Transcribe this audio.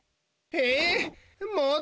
えっ